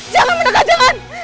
jangan menekan jangan